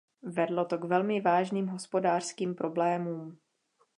Vedlo to k velmi vážným hospodářským problémům.